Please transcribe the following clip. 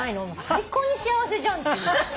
最高に幸せじゃんって言う。